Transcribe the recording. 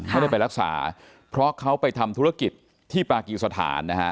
ไม่ได้ไปรักษาเพราะเขาไปทำธุรกิจที่ปากีสถานนะฮะ